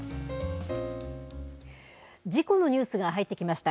事故のニュースが入ってきました。